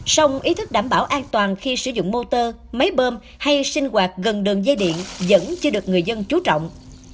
sông ý thức đảm bảo an toàn khi sử dụng motor máy bơm hay sinh hoạt gần đường dây điện vẫn chưa được người dân chú trọng